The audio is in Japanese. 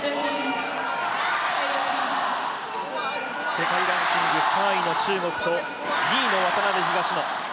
世界ランキング３位の中国と２位の渡辺・東野。